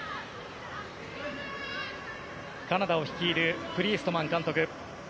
カナダを率いるプリーストマン監督。